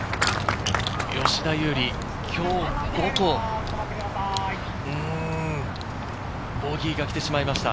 吉田優利、今日、５と、ボギーが来てしまいました。